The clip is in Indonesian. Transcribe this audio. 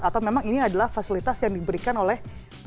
atau memang ini adalah fasilitas yang diberikan oleh